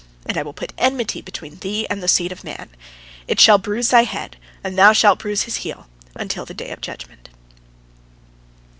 And I will put enmity between thee and the seed of man. It shall bruise thy head, and, thou shalt bruise his heel until the day of judgment."